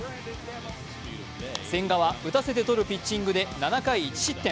千賀は打たせて取るピッチングで７回１失点。